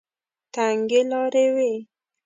تنګې لارې وې.